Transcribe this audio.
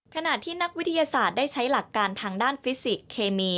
ขณะที่นักวิทยาศาสตร์ได้ใช้หลักการทางด้านฟิสิกส์เคมี